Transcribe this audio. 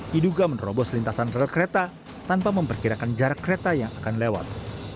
diduga menerobos lintasan rel kereta tanpa memperkirakan jarak kereta yang akan lewat